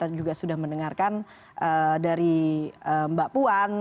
tadi kita juga sudah mendengarkan dari mbak puan